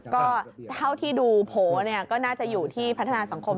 ก็เท่าที่ดูโผล่ก็น่าจะอยู่ที่พัฒนาสังคม